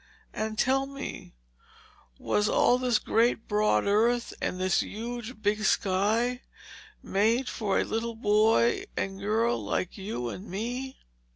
And tell me, was all this great broad earth and this huge big sky made for a little boy and girl like you and me?"